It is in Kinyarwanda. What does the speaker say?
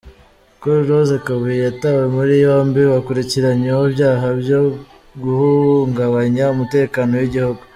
Col Rose Kabuye yatawe muri yombi, bakurikiranyweho ibyaha byo guhungabanya umutekano w’igihugu.